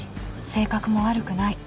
性格も悪くない。